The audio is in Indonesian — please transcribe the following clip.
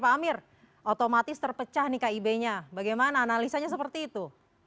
pak amir otomatis terpecah nih kib nya bagaimana analisanya seperti itu